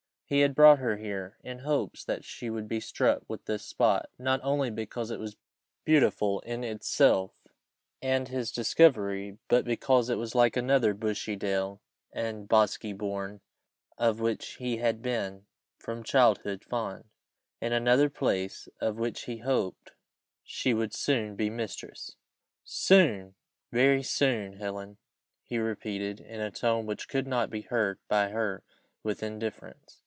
He had brought her here, in hopes that she would be struck with this spot, not only because it was beautiful in itself, and his discovery, but because it was like another bushy dell and bosky bourne, of which he had been from childhood fond, in another place, of which he hoped she would soon be mistress. "Soon! very soon, Helen!" he repeated, in a tone which could not be heard by her with indifference.